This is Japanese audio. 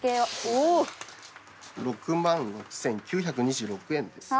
６万６，９２６円ですね。